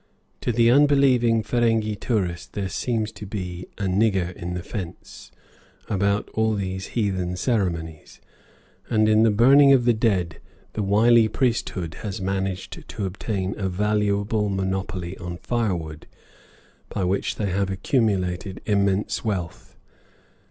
To the unbelieving Ferenghi tourist there seems to be a "nigger in the fence" about all these heathen ceremonies, and in the burning of the dead the wily priesthood has managed to obtain a valuable monopoly on firewood, by which they have accumulated immense wealth.